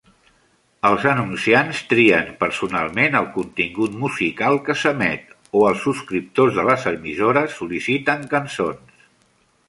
Els anunciants trien personalment el contingut musical que s'emet, o els subscriptors de les emissores sol·liciten cançons.